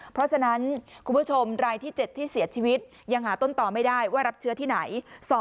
เพราะฉะนั้นคุณผู้ชมรายที่๗ที่เสียชีวิตยังหาต้นต่อไม่ได้ว่ารับเชื้อที่ไหน